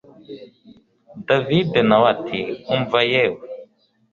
david nawe ati umva yewee…